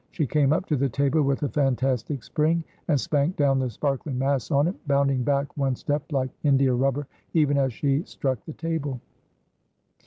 She came up to the table with a fantastic spring and spanked down the sparkling mass on it, bounding back one step like india rubber even as she struck the table.